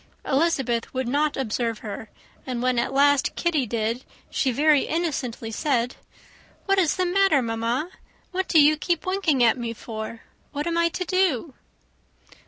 Elizabeth would not observe her; and when at last Kitty did, she very innocently said, "What is the matter, mamma? What do you keep winking at me for? What am I to do?"